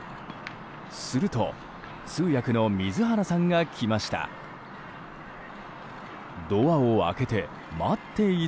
すると通訳の水原さんが来ました。